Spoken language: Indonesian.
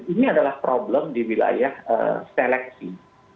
ini adalah problem di wilayah seleksi